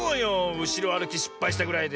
うしろあるきしっぱいしたぐらいで。